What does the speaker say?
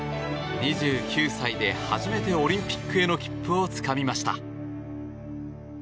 ２９歳で初めてオリンピックへの切符をつかみました。